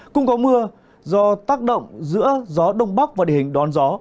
cũng có mưa do tác động giữa gió đông bắc và địa hình đón gió